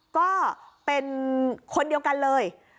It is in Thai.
ก็เป็นคนเดียวกันเลย